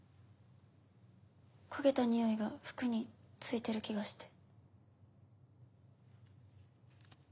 焦げた臭いが服についてる気がして。